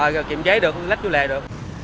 rồi kiểm chế được lách vô lệ được